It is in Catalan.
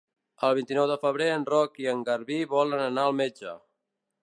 El vint-i-nou de febrer en Roc i en Garbí volen anar al metge.